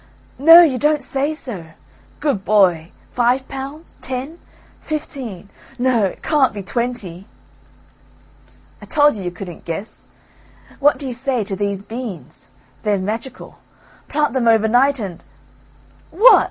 "No, you don't say so. Good boy! Five pounds, ten, fifteen, no, it can't be twenty." "I told you you couldn't guess, what do you say to these beans; they're magical, plant them over night and " "What!"